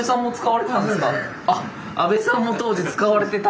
阿部さんも当時使われてた。